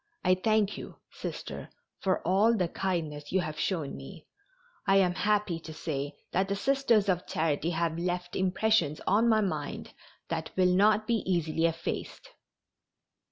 I thank you, Sister, for all the kindness you have shown me. I am happy to say that the Sisters of Charity have left impressions on my mind that will not be easily effaced."